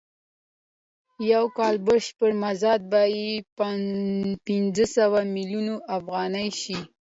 د یو کال بشپړ مزد به یې پنځوس میلیونه افغانۍ شي